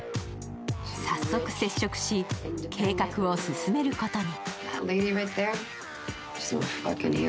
早速、接触し、計画を進めることに。